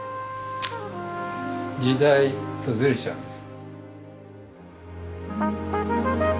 時代とズレちゃうんです。